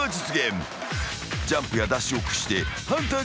［ジャンプやダッシュを駆使して］